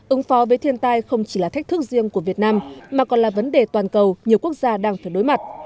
ứng phó với thiên tai không chỉ là thách thức riêng của việt nam mà còn là vấn đề toàn cầu nhiều quốc gia đang phải đối mặt